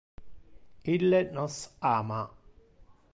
Ille nos ama.